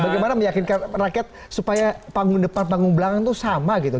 bagaimana meyakinkan rakyat supaya panggung depan panggung belakang itu sama gitu